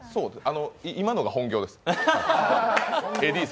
今のが本業です。